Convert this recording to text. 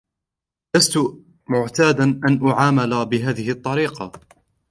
لست معتادا أن أعامَلَ بهذه الطريقة.